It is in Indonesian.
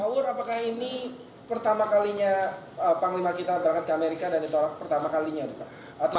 sahur apakah ini pertama kalinya panglima kita berangkat ke amerika dan ditolak pertama kalinya pak